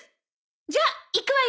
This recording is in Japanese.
じゃいくわよ！